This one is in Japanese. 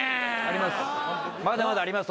まだまだあります